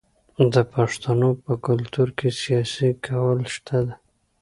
د پښتنو په کلتور کې سیالي کول شته.